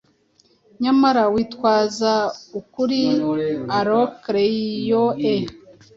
Nyamara witwaza ukuri Oracle yoe